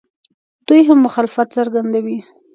دوی هم مخالفت څرګندوي.